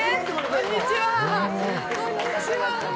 こんにちは。